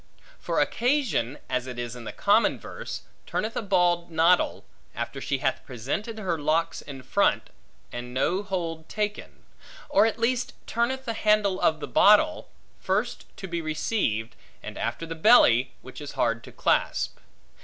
For occasion (as it is in the common verse) turneth a bald noddle, after she hath presented her locks in front, and no hold taken; or at least turneth the handle of the bottle, first to be received, and after the belly, which is hard to clasp.